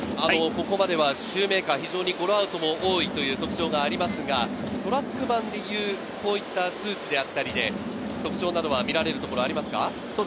これまではシューメーカー、非常にゴロアウトも多いという特徴がありますが、トラックマンでいう、こういった数値であったりで、特徴など見られるところはありますか？